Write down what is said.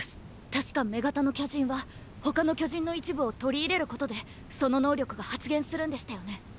確か「女型の巨人」は他の巨人の一部を取り入れることでその能力が発現するんでしたよね？